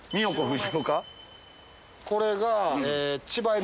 これがえ。